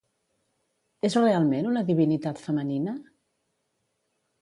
És realment una divinitat femenina?